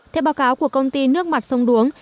theo báo cáo của công ty nước mặt sông đuống